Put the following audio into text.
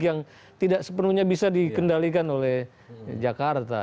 yang tidak sepenuhnya bisa dikendalikan oleh jakarta